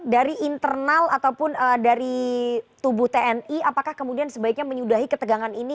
dari internal ataupun dari tubuh tni apakah kemudian sebaiknya menyudahi ketegangan ini